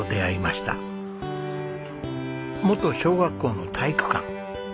元小学校の体育館。